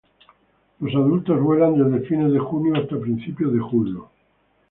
Los adultos vuelan desde fines de junio hasta principios de julio.